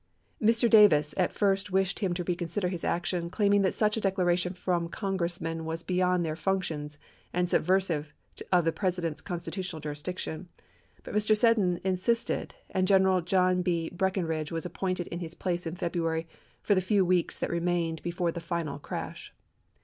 Mr. Davis at first wished &m. him to reconsider his action, claiming that such a declaration from Congressmen was beyond their functions and subversive of the President's consti tutional jurisdiction ; but Mr. Seddon insisted, and General John C. Breckinridge was appointed in his place in February, for the few weeks that remained before the final crash.